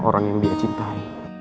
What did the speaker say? orang yang dia cintai